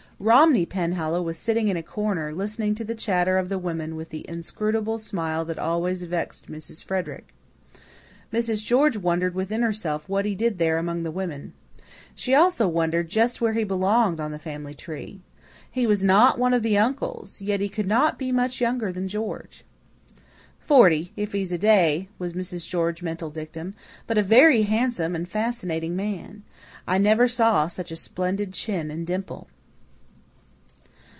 Romney Penhallow was sitting in a corner, listening to the chatter of the women, with the inscrutable smile that always vexed Mrs. Frederick. Mrs. George wondered within herself what he did there among the women. She also wondered just where he belonged on the family tree. He was not one of the uncles, yet he could not be much younger than George. "Forty, if he is a day," was Mrs. George's mental dictum, "but a very handsome and fascinating man. I never saw such a splendid chin and dimple."